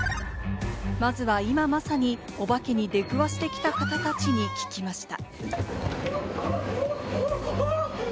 まずは今まさにお化けに出くわしてきた方たちに聞きました。